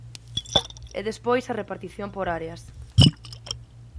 E despois a repartición por áreas.